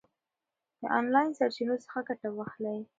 د آنلاین سرچینو څخه ګټه واخلئ.